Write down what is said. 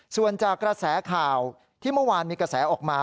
ส่วนจากกระแสข่าวที่เมื่อวานมีกระแสออกมา